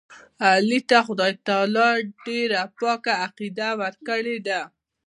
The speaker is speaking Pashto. علي ته خدای تعالی ډېره پاکه عقیده ورکړې ده.